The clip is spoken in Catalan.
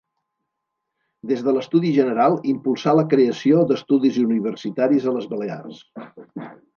Des de l'Estudi General impulsà la creació d'estudis universitaris a les Balears.